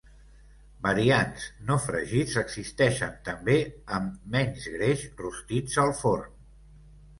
Variants no fregits existeixen també amb menys greix, rostits al forn.